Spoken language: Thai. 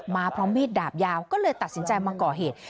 พร้อมมีดดาบยาวก็เลยตัดสินใจมาก่อเหตุ